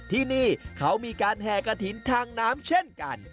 ที่นี่เขามีการแห่กระถิ่นทางน้ำเช่นกัน